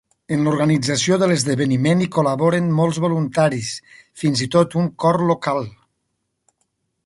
En l'organització de l'esdeveniment hi col·laboren molts voluntaris, fins i tot un cor local.